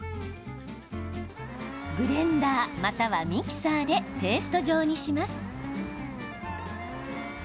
ブレンダーまたはミキサーでペースト状にします。